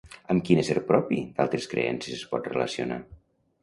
Amb quin ésser propi d'altres creences es pot relacionar?